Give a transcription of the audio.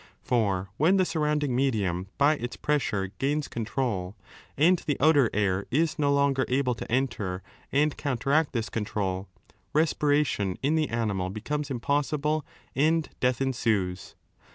293 294 Aristotle's psychology di For when the surrounding medium by its pressure gains control and the outer air is no longer able to enter and counteract this control, respiration in the animal becomes impossible and death ensues.